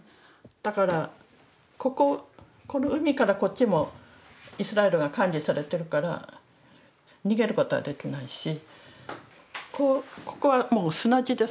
だからこここの海からこっちもイスラエルが管理されてるから逃げることはできないしここはもう砂地です。